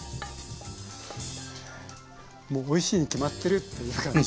もうおいしいに決まってるっていう感じ！